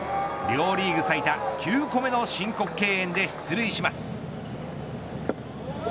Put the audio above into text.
両リーグ最多９個目の申告敬遠で出塁します。